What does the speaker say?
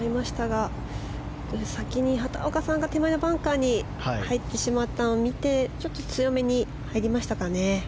先に畑岡さんが手前のバンカーに入ってしまったのを見てちょっと強めに入りましたかね。